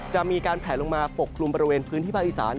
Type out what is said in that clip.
จะมีการแผลลงมาปกคลุมบริเวณพื้นที่ภาคอีสาน